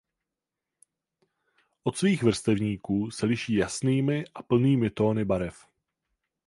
Od svých vrstevníků se liší jasnými a plnými tóny barev.